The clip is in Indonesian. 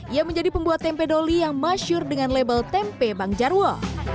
ia menjadi pembuat tempe doli yang masyur dengan label tempe bang jarwo